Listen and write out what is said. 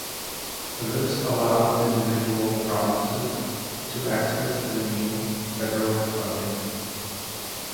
This allowed individual provinces to access the new federal funding.